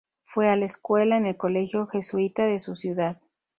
Fue a la escuela en el colegio jesuita de su ciudad.